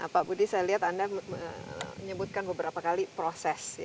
pak budi saya lihat anda menyebutkan beberapa kali proses